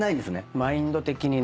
マインド的にね。